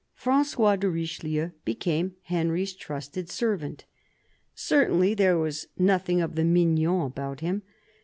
Frangois de Richelieu became Henry's trusted servant. Certainly there was nothing of the mignon about him!